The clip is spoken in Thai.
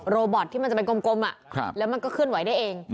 โรบอตที่มันจะเป็นกลมแล้วมันก็เคลื่อนไหวได้เอง